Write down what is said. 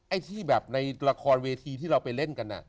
ไอ้ที่แบบในละครเวทีที่เราไปเล่นกัน